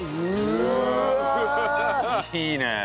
いいねえ！